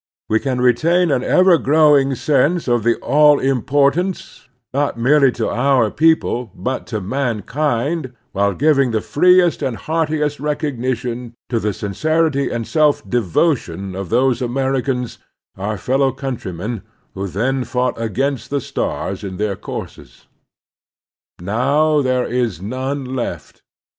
We can retain an ever growing sense of the all importance, not merely to our people but to man kind, of the Union victory, while giving the freest and heartiest recognition to the smcerity and self < devotion of those Americans, our fellow cotmtry men, who then fought against the stars in their courses. Now there is none left.